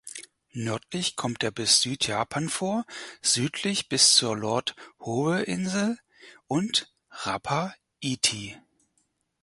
Nördlich kommt er bis Südjapan vor, südlich bis zur Lord-Howe-Insel und Rapa Iti.